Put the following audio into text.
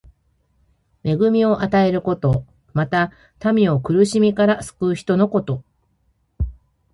恵みを与えること。また、民を苦しみから救う人のこと。